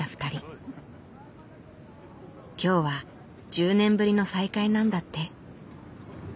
今日は１０年ぶりの再会なんだって。